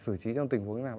sử trí trong tỉnh có nào